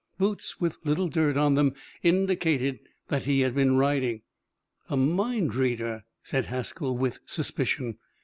Boots with little dirt on them indicated that he had been riding. "A mind reader!" said Haskell, with suspicion.